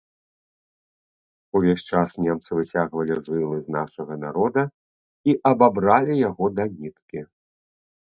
Увесь час немцы выцягвалі жылы з нашага народа і абабралі яго да ніткі.